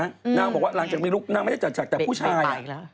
นางบอกว่าหลังจากมีลูกนางไม่ได้จัดฉากแต่ผู้ชาย